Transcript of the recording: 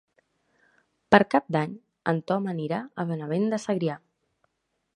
Per Cap d'Any en Tom anirà a Benavent de Segrià.